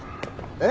えっ？